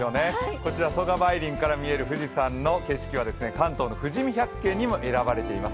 こちら曽我梅林から見える富士山の景色は関東の富士見百景にも選ばれています。